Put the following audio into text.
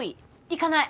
行かない！